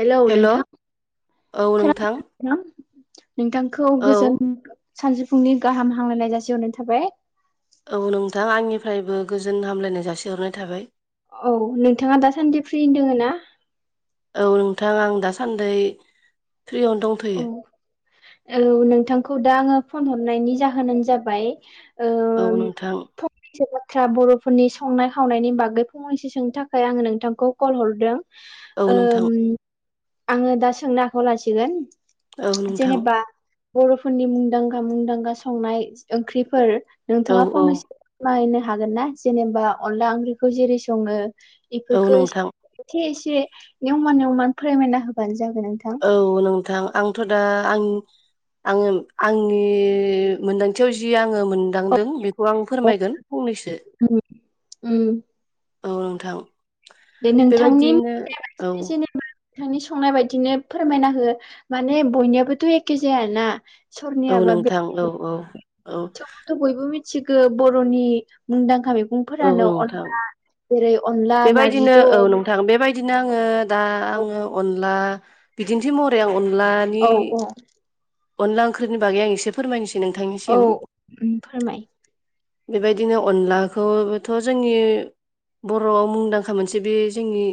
हेल' नोंथां औ नोंथां खोनादों। नोंथांखौ औ गोजोन सानजौफुनि गाहाम हामलायनाय जासिहरनाय थाबाय औ नोंथां आंनिफ्रायबो गोजोन हामलायनाय जासिहरनाय थाबाय। औ नोंथाङा दा सान्दि फ्रियैनो दङना? औ नोंथां आं दासान्दि फ्रियावनो दंथ'यो। औ औ नोंथांखौ दा आङो फन हरनायनि जाहोनानो जाबाय औ नोंथां। फंसे बाथ्रा बर'फोरनि संनाय खावनायनि बागै फंनैसो सोंनो थाखाय आङो नोंथांखौ कल हरदों औ नोंथां ओम आङो दा सोंनो आखायाव लासिगोन औ नोंथां जेनेबा बर'फोरनि मुंदांखा मुंदांखा संनाय ओंख्रिफोर। औ नोंथाङा औ फंनैसो फोरमायनो हागोन ना जेनेबा अनला ओंख्रिखौ जेरै सङो औ एफोरखौ नोंथां एसे एसे निवमान निवमान फोरमायना होबानो जाबाय नोंथां? औ नोंथां आंथ' दा आं आङो आंनि मोनदांथियाव जि आङो मो नदांदों बेखौ आं फोरमायगोन फंनैसो उम औ नोंथां। दे नोंथांनि बेबायदिनो औ [unintelligible] जेनेबा नोंथांनि संनाय बायदिनो फोरमायना हो माने बयनियाबोथ' एखे जायाना? औ सोरनियाबा बे नोंथां औ-औ। थेवबोथ' बयबो मिथिगौ बर'नि मुंदांखा औ मैगंफोरानो नोंथां अनला। जेरै अनला नारजिजों अमा बिदिनो आङो दा औ आङो अनला बिदिन्थि महरै आं अनला औ औ। अनला ओंख्रिनि बागै आं एसे फोरमायनोसै औ नोंथांनिसिम। उम फोरमाय बेबायदिनो अनलाखौबोथ' जोंनि बर'आव मुंदांखा मोनसे बे जोंनि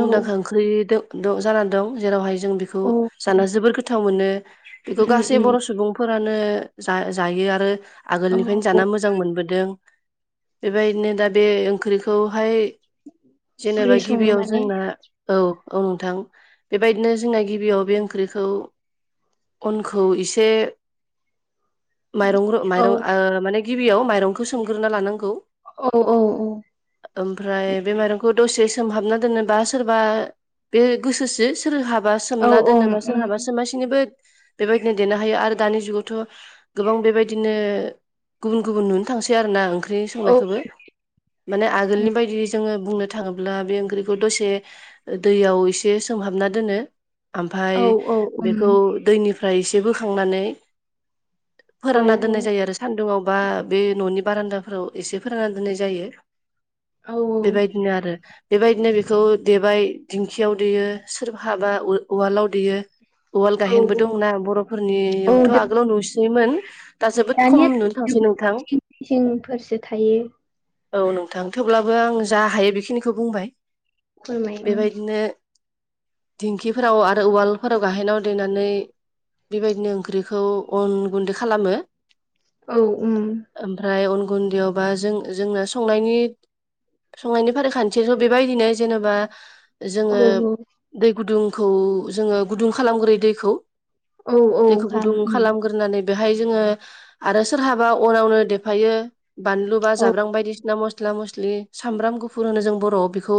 औ ओंख्रि जाना दं जेरावहाय जों बेखौ औ उम जाना जोबोर गोथाव मोनो। बेखौ गासै उम बर' सुबुंफोरानो जा जायो आरो औ आगोलनिफ्रायनो जाना मो मोजां मोनबोदों बेबायदिनो दा बे ओंख्रिखौहाय जेनेबा बोरै सङो गिबियाव माने जोंना औ-औ नोंथां बेबायदिनो जोंना गिबियाव बे ओंख्रिखौ अनखौ इसे माइरं औ माइरं ओ माने गिबियाव माइरंखौ सोमग्रोना लानांगौ औ औ औ। ओमफ्राय बे माइरंखौ दसे सोमहाबना दोननोबा सोरबा बे गोसोसो सोरहाबा औ सोमना ओं दोनोबा उम सोरहाबा सोमासिनोबो बेबायदिनो देनो हायो आरो दानि जुगावथ' गोबां बेबायदिनो गुबुन गुबुन नुनो थांसै आरो ना ओंख्रि औ संनायखौबो। माने उम आगोलनि बायदि जोङो बुंनो थाङोब्ला बे ओंख्रिखौ दसे ओ दैयाव एसे सोमहाबना दोनो ओमफ्राय औ औ उम बेखौ दैनिफ्राय एसे बोखांनानै औ फोरानना दोननाय जायो आरो सान्दुङआवबा बे न'नि बारान्दाफोराव एसे फोरानना दोननाय जायो औ बेबायदिनो आरो। बेबायदिनो बेखौ देबाय दिंखियाव देयो सोर हाबा उ उवालाव देयो। उवाल औ गायहेनबो दंना औ बर'फोरनियावथ' दो- आगोलाव नुसिनोमोन। दा जोबोद दानिया खम नुनो थांसै नोंथां। थिंफोरसो थायो औ नोंथां थेवब्लाबो आं जा हायो बेखिनिखौ बुंबाय फोरमाय उम बेबायदिनो दिंखिफोराव आरो उवालफोराव गाहेनाव देनानै बेबायदिनो ओंख्रिखौ अन गुन्दै खालामो। औ उम। ओमफ्राय उन गुन्दैयावबा जों जोंना संनायनि संनायनि फारि खान्थिथ' बेबायदिनो जेनेबा औ जोङो दै गुदुंखौ जोङो गुदुं खालामग्रोयो दैखौ। औ औ दैखौ गाहाम गुदुं उम खालामग्रोनानै बेहाय जोङो आरो सोरहाबा अनावनो देफायो। बानलु बा औ जाब्रां बायदिसिना मस्ला मस्लि सामब्राम गुफुर होनो जों बर'आव बेखौ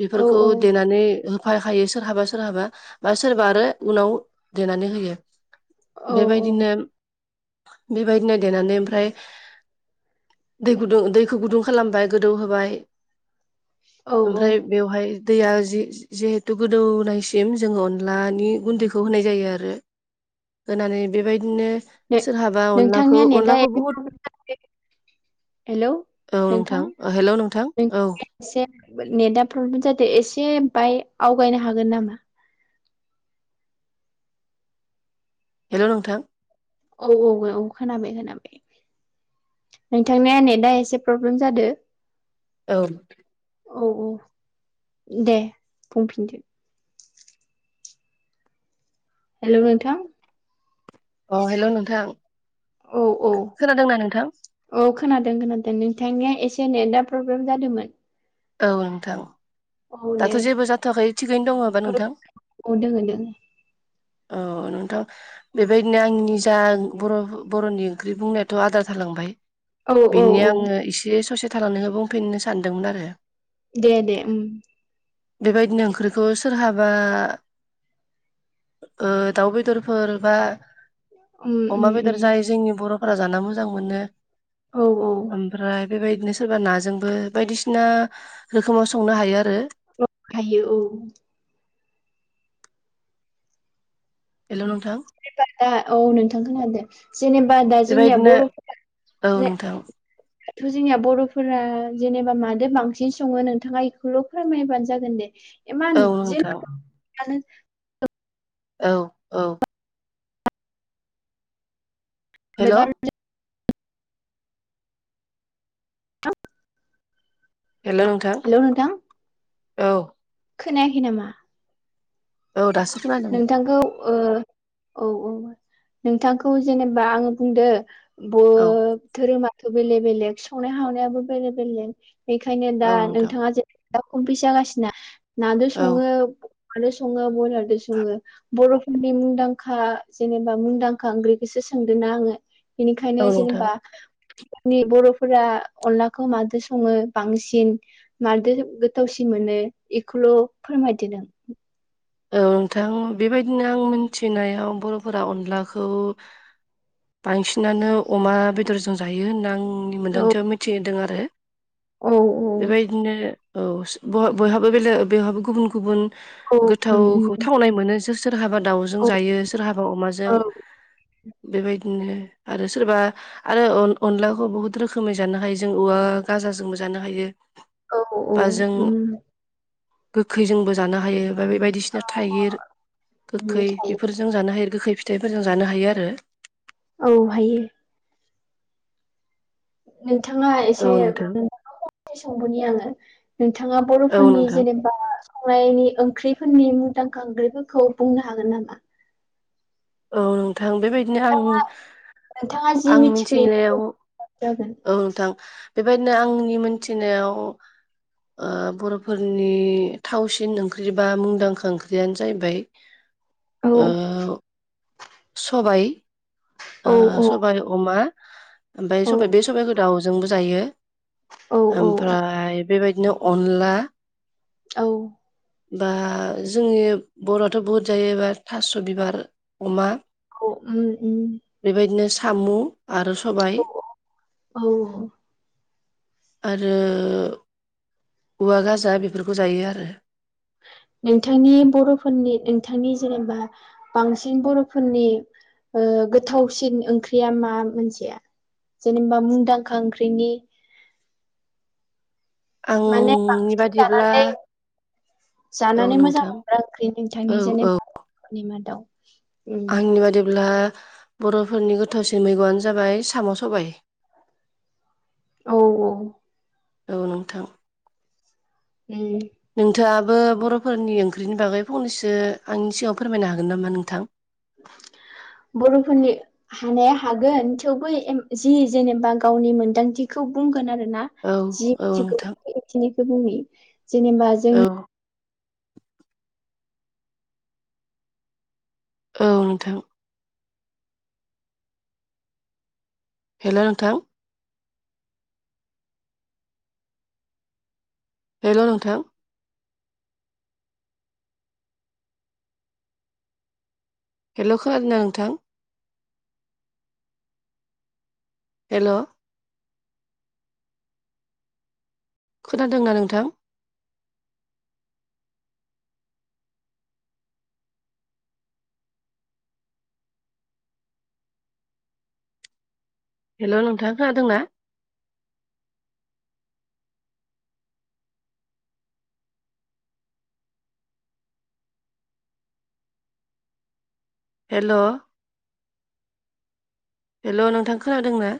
औ बेफोरखौ औ देनानै होफाखायो सोरहाबा सोरहाबा बा सोरबा आरो उनाव देनानै होयो औ बेबायदिनो बेबायदिनो देनानै ओमफ्राय दै गुदुं दैखौ गुदुं खालामबाय गोदौ होबाय औ औ ओमफ्राय बेवहाय दैया जि जिहेथु गोदौनायसिम जोङो अनलानि गुन्दैखौ होनाय जायो आरो होनानै बेबायदिनो नो- सोरहाबा अनलाखौ नोंथांनिया नेटआ अनलाखौ एसे बुहुत प्रब्लेम जादों हेलौ औ नोंथां हेल' नोंथां नों- औ एसे नेटा प्रब्लेम जादो एसे बाय आवगायनो हागोन नामा? हेल' नोंथां। औ औ औ खोनाबाय खोनाबाय। नोंथांनिया नेटा एसे प्रब्लेम जादों। औ। औ औ दे बुंफिनदो। हेल' नोंथां अ हेल' नोंथां। औ औ। खोनादोंना नोंथां औ खोनादों खोनादों नोंथांनिया एसे नेटा प्रब्लेम जादोंमोन। औ नोंथां। औ दाथ' दे जेबो जाथ'वाखै थिगैनो दङ बा औ नोंथां? औ दोङो दोङो अ नोंथां। बेबायदिनो आंनि जा बर' बर'नि ओंख्रि बुंनायाथ' आद्रा थालांबाय। औ औ बेनि औ आङो एसे ससे थालांनायखौ बुंफिननो सानदोंमोन आरो। दे दे उम बेबायदिनो ओंख्रिखौ सोरहाबा दाउ बेदरफोर बा उम अमा उम बेदर उम जायो जोंनि बर'फोरा जाना मोजां मोनो। औ औ ओमफ्राय बेबायदिनो सोरबा नाजोंबो बायदिसिना रोखोमाव संनो हायो आरो। हायो औ। हेल' नोंथां। जेनेबा दा औ नोंथां खोनादों जेनेबा दा जोंनिया बेबायदिनो बर'फोरा औ नोंथां। दाथ' जोंनिया बर'फोरा जेनेबा मादो बांसिन सङो नोंथाङा एखौल' फोरमायबानो जागोन दे। औ इमान नोंथां [inaudible] औ औ हेल' [inaudible] [inaudible] हेल' नोंथां हेलौ नोंथां औ। खोनायाखै नामा? औ दासो खोनादों नोंथांखौ ओ औ औ नोंथांखौ जेनेबा आङो बुंदो। औ बोथोरै माथो बेलेग बेलेग संनाय हावनायाबो बेलेग बेलेग। बेखायनो दा औ नोंथां नोंथाङा औ [unintelligible] [unintelligible] सङो बर'फोरनि मुंदांखा जेनेबा मुंदांखा ओंख्रिखोसो सोंदोंना आङो। बेनिखायनो औ नोंथां जेनेबा जोंनि बर'फोरा अनलाखौ मादो सङो बांसिन? मारदो गोथावसिन मोनो एखौल' फोरमायदो नों। औ नोंथां बेबायदिनो आं मिनथिनायाव बर'फोरा अनलाखौ बांसिनानो अमा बेदरजों जायो होनना आंनि मोन्दांथियाव मिथिदों आरो। औ औ। बिदिनो औ स ब बयहाबो बेलेग बेहाबो गुबुन गुबुन औ उम गोथावखौ उम थावनाय मोनो सोर-सोरहाबा दाउजों औ जायो सोरहाबा अमाजों। औ बेबायदिनो आरो सोरबा आरो अन-अनलाखौ बहुद रोखोमै जानो हायो जों औवा गाजाजोंबो जानो हायो। औ औ बा जों उम गोखैजोंबो जानो हायो बा बेबाय बायदिसिना थाइगिर उम गोखै थायो बेफोरजों जानो हायो गोखै फिथाइफोरजों जानो हायो आरो। औ हायो। नोंथाङा औ एसे नोंथां [unintelligible] आङो। नोंथाङा औ बर'फोरनि नोंथां जेनेबा [unintelligible] ओंख्रिफोरनि मुंदांखा ओंख्रिफोरखौ बुंनो हागोन नामा? ओ नोंथां बेबाय बिदिनो आं नोंथाङा जि आं मिथिगौ मिनथिनायाव बेफोरखौ जागोन औ नोंथां बेबायदिनो आंनि मोनथिनायाव ओ बर'फोरनि थावसिन ओंख्रि बा मुंदांखा ओंख्रियानो जाहैबाय औ ओ सबाइ आ औ औ सबाय अमा ओमफाय औ सबबाय बे सबाइखौ दाउजोंबो जायो औ औ ओमफ्राय बेबायदिनो अनला औ बा जोंनि बर'आथ' बुहुद जायोबा थास' बिबार अमा औ उम उम बेबायदिनो सामु आरो सबाय [inaudible] औ आरो औवा गाजा बेफोरखौ जायो आरो। नोंथांनि बर'फोरनि नोंथांनि जेनेबा बांसिन बर'फोरनि ओ गोथावसिन ओंख्रिया मा मोनसेया? जेनेबा मुंदांखा ओंख्रिनि माने आंनि बांसिन बादिब्ला जानानै औ जानानै मोजां नोंथां मोनग्रा ओंख्रि औ नोंथांनि औ जेनेबा [inaudible] मादाव। उम आंनि बादिब्ला बर'फोरनि गोथावसिन मैगंआनो जाबाय साम' सबाय। औ औ। औ नोंथां उम। नोंथाङाबो बर'फोरनि ओंख्रिनि बागै फंनैसो आंनि सिगाङाव फोरमायनो हागोन नामा नोंथां बर'फोरनि हानाया हागोन थेवबो जि जेनेबा गावनि मोनदांथिखौ बुंगोन आरो ना औ जि औ [unintelligible] नोंथां मिनिखौ बुङो जेनेबा औ जोंनि औ नोंथां हेल' नोंथां हेल' नोंथां हेल' खोनादोंना नोंथां? हेल' खोनादोंना नोंथां? हेल' नोंथां खोनादोंना? हेल' हेल' नोंथां खोनादों ना?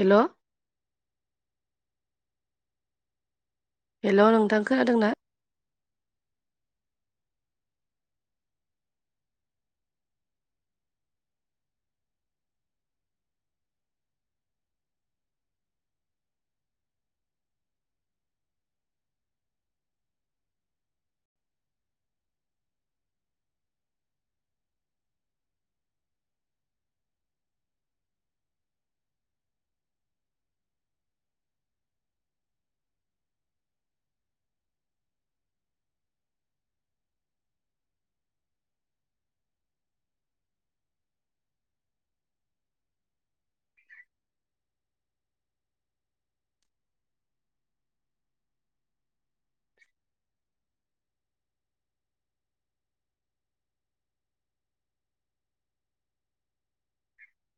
हेल' हेल' नोंथां खोनादोंना?